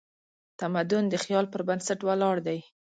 تمدن د خیال پر بنسټ ولاړ دی.